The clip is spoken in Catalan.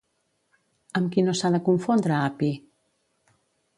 Amb qui no s'ha de confondre Hapi?